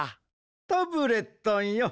タブレットンよ